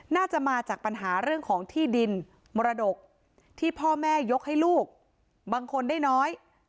น่าจะมาจากปัญหาเรื่องของที่ดินมรดกที่พ่อแม่ยกให้ลูกบางคนได้น้อย